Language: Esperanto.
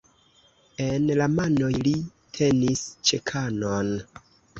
En la manoj li tenis "ĉekanon".